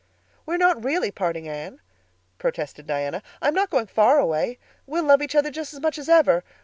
"We are not really parting, Anne," protested Diana. "I'm not going far away. We'll love each other just as much as ever.